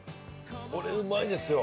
これうまいですよ。